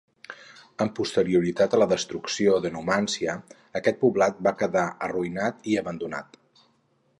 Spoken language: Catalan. Amb posterioritat a la destrucció de Numància aquest poblat va quedar arruïnat i abandonat.